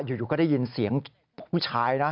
อยู่ก็ได้ยินเสียงผู้ชายนะ